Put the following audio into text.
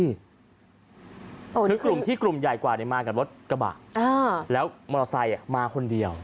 คือกลุ่มที่กลุ่มใหญ่กว่ามากับรถกระบะแล้วมอเตอร์ไซค์มาคนเดียว